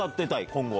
今後は。